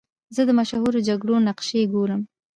زه د مشهورو جګړو نقشې ګورم.